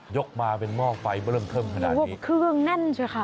กมาเป็นหม้อไฟมาเริ่มเทิมขนาดนี้เครื่องแน่นใช่ค่ะ